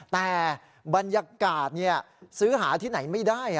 แต่บรรยากาศซื้อหาที่ไหนไม่ได้